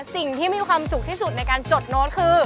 สิ่งที่มีความสุขที่สุดในการจดโน้ตคือ